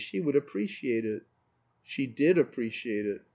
She would appreciate it. She did appreciate it.